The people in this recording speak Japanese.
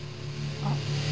あっ。